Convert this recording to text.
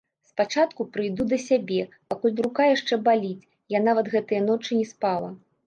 Спачатку прыйду да сябе, пакуль рука яшчэ баліць, я нават гэтыя ночы не спала.